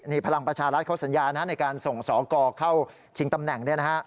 นี่พลังประชารัฐเขาสัญญานะในการส่งสอกรเข้าชิงตำแหน่ง